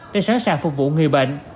để sẵn sàng phục vụ người bệnh